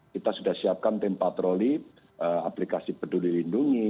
kita sudah siapkan tim patroli aplikasi peduli lindungi